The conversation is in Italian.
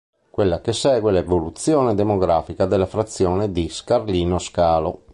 Quella che segue è l'evoluzione demografica della frazione di Scarlino Scalo.